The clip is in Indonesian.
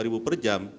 lima ribu per jam